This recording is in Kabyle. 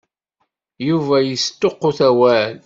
Yuba yesṭuqut awal.